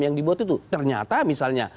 yang dibuat itu ternyata misalnya